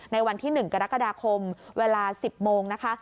ในวันที่๑กรกฎาคมเวลา๑๐โมงนะคะ